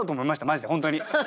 マジで本当に。